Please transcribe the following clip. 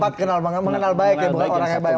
empat kenal mengenal baik ya bukan orang yang baik